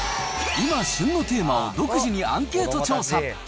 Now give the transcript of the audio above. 今、旬のテーマを独自にアンケート調査。